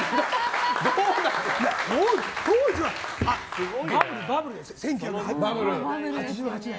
当時はバブルですよ、１９８８年。